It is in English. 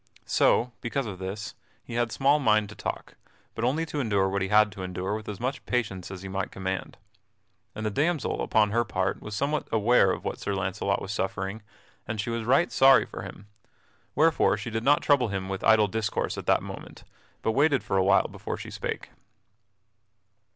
So, because of this, he had small mind to talk, but only to endure what he had to endure with as much patience as he might command. And the damsel upon her part was somewhat aware of what Sir Launcelot was suffering and she was right sorry for him, wherefore she did not trouble him with idle discourse at that moment, but waited for a while before she spake.